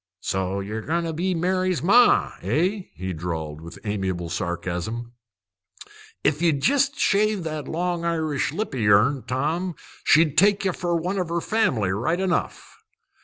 "So ye're goin' to be Mary's ma, eh?" he drawled, with amiable sarcasm. "If ye'd jest shave that long Irish lip o' yourn, Tom, she'd take ye fer one o' family right enough."